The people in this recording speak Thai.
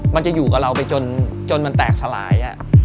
มันจะอยู่กับเราไปจนมันแตกสลาย